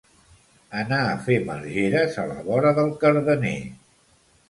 Anar a fer margeres a la vora del Cardener.